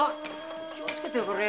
気をつけてくれよ！